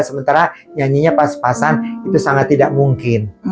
sementara nyanyinya pas pasan itu sangat tidak mungkin